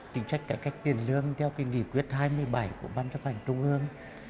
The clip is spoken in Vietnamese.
chính sách cải cách tiền lương theo nghị quyết hai mươi bảy của ban chấp hành trung ương